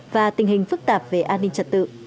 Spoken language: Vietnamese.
và tình hình phức tạp về an ninh trật tự